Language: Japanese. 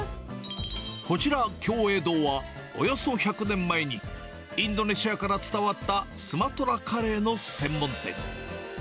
こちら、共栄堂は、およそ１００年前にインドネシアから伝わったスマトラカレーの専門店。